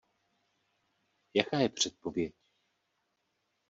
Jaká je předpověď?